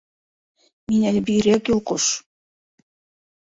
Мин әле бигерәк йолҡош...